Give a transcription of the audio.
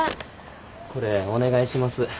これお願いします。